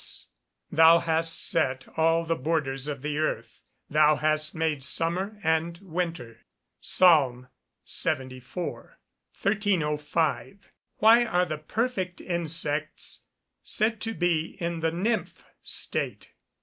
[Verse: "Thou hast set all the borders of the earth: thou hast made summer and winter." PSALM LXXIV.] 1305. _Why are the perfect insects said to be in the "nymph" state?